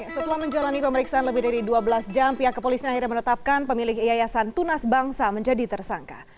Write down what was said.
setelah menjalani pemeriksaan lebih dari dua belas jam pihak kepolisian akhirnya menetapkan pemilik yayasan tunas bangsa menjadi tersangka